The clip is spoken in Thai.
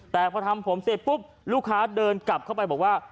แต่พอทำผมเสร็จปุ๊บลูกค้าเดินกลับเข้าไปบอกว่า